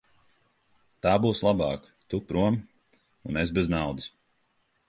Tā būs labāk; tu prom un es bez naudas.